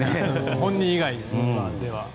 本人以外では。